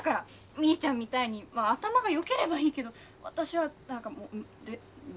みーちゃんみたいにまあ頭がよければいいけど私は何かもうででできないしもう。